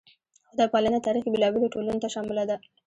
خدای پالنه تاریخ کې بېلابېلو ټولنو ته شامله ده.